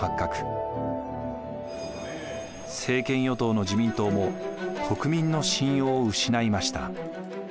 政権与党の自民党も国民の信用を失いました。